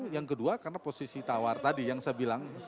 yang kedua karena posisi tawar tadi yang saya bilang